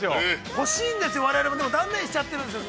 ◆欲しいんですよ、我々も、断念しちゃっているんですよ。